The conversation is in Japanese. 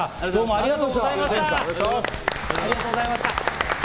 ありがとうございます。